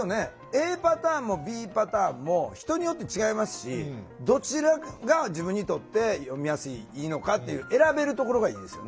ＡパターンもＢパターンも人によって違いますしどちらが自分にとって読みやすいのかっていう選べるところがいいですよね。